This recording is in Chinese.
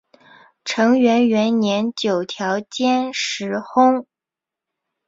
承元元年九条兼实薨。